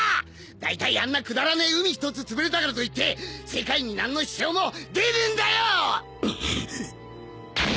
大体あんなくだらねえ海ひとつつぶれたからといって世界になんの支障も出ねえんだよォ！